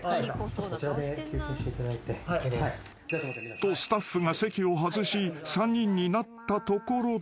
［とスタッフが席を外し３人になったところで］